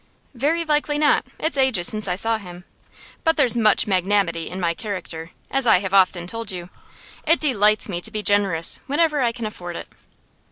'Very likely not. It's ages since I saw him. But there's much magnanimity in my character, as I have often told you. It delights me to be generous, whenever I can afford it.